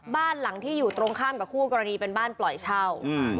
บ้านหลังที่อยู่ตรงข้ามกับคู่กรณีเป็นบ้านปล่อยเช่า